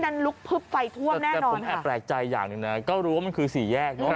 นั่นเหรอสิแต่ผมแอบแปลกใจอย่างหนึ่งนะก็รู้ว่ามันคือสี่แยก